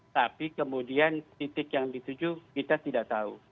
tapi kemudian titik yang dituju kita tidak tahu